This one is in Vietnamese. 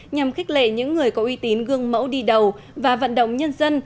nhằm khích lệ những người có uy tín gương mẫu đi đầu và vận động nhân dân